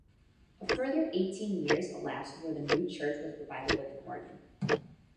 A further eighteen years elapsed before the new church was provided with an organ.